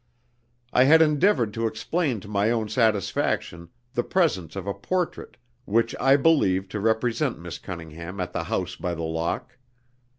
I had endeavoured to explain to my own satisfaction the presence of a portrait which I believed to represent Miss Cunningham at the House by the Lock.